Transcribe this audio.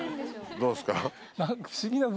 どうですか？